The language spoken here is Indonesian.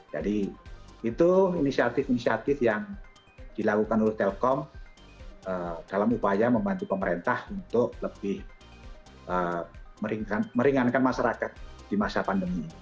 jadi itu inisiatif inisiatif yang dilakukan oleh telkom dalam upaya membantu pemerintah untuk lebih meringankan masyarakat di masa pandemi